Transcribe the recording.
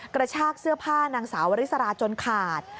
กระชากเสื้อผ้านางสาววริสราจนขาด